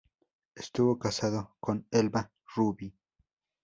Estuvo casado con Elba Rubí.